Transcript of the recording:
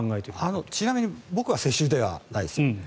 ちなみに僕は世襲ではないです。